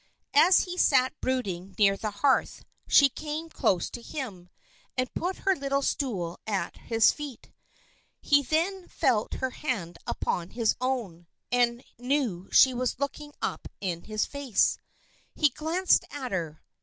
As he sat brooding near the hearth, she came close to him, and put her little stool at his feet. He then felt her hand upon his own, and knew she was looking up in his face. He glanced at her.